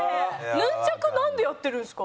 ヌンチャクなんでやってるんですか？